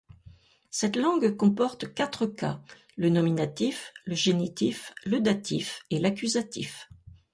Cette langue compte quatre cas: le nominatif, le génitif, le datif et l'accusatif.